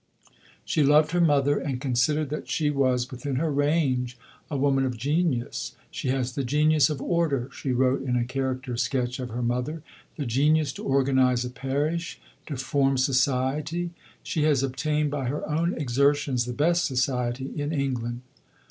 She loved her mother, and considered that she was, within her range, a woman of genius. "She has the genius of order," she wrote in a character sketch of her mother, "the genius to organize a parish, to form society. She has obtained by her own exertions the best society in England."